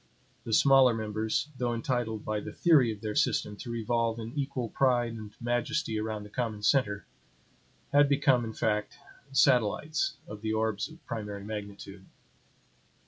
The smaller members, though entitled by the theory of their system to revolve in equal pride and majesty around the common center, had become, in fact, satellites of the orbs of primary magnitude.